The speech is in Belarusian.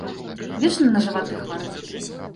Вечна на жываты хварэюць.